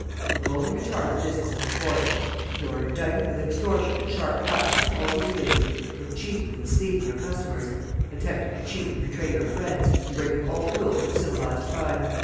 You will only retard the business of the court. You are indicted with extortion and sharp practice in all your dealings, with cheating and misleading your customers, attempting to cheat and betray your friends, and breaking all the rules of civilised crime.